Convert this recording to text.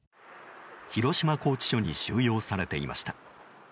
広島拘置所に収容されていました。